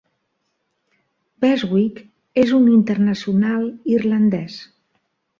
Beswick és un internacional irlandès.